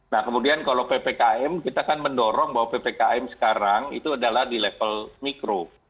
nah kemudian kalau ppkm kita kan mendorong bahwa ppkm sekarang itu adalah di level mikro